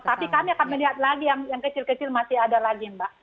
tapi kami akan melihat lagi yang kecil kecil masih ada lagi mbak